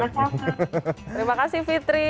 terima kasih fitri